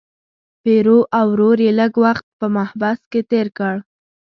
پیرو او ورور یې لږ وخت په محبس کې تیر کړ.